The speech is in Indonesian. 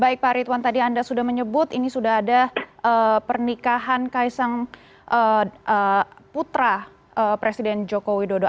baik pak ritwan tadi anda sudah menyebut ini sudah ada pernikahan khaesang putra presiden jokowi dodo